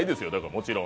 もちろん。